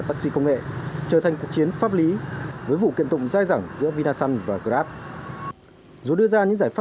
tổ chức chính trị xã hội